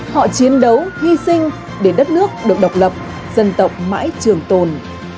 họ chiến đấu hy sinh để đất nước được độc lập dân tộc mãi trường tồn